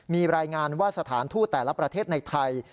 มีรายงานว่าสถานทูตแต่ละประเทศในไทย